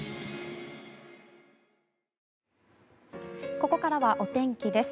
ここからはお天気です。